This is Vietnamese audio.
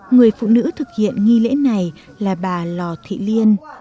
người phụ nữ thực hiện nghi lễ này là bà lò thị liên